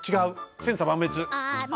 千差万別。